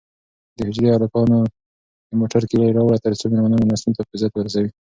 د حجرې هلکانو د موټر کیلي راوړه ترڅو مېلمانه مېلمستون ته په عزت ورسوي.